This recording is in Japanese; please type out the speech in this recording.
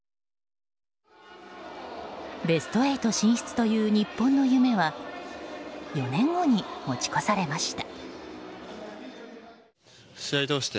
ベスト８進出という日本の夢は４年後に持ち越されました。